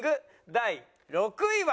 第６位は。